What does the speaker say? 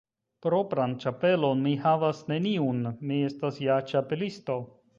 Propran ĉapelon mi havas neniun. Mi estas ja Ĉapelisto.